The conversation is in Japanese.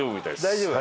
大丈夫？